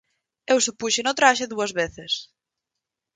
Eu só puxen o traxe dúas veces.